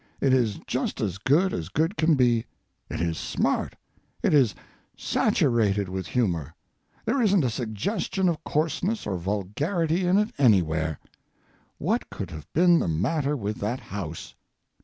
It is just as good as good can be. It is smart; it is saturated with humor. There isn't a suggestion of coarseness or vulgarity in it anywhere. What could have been the matter with that house?